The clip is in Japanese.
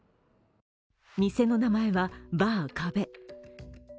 店の名前はバー「壁」。